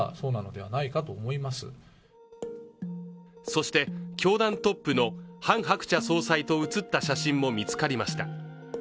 そして、教団トップのハン・ハクチャ総裁と写った写真も見つかりました。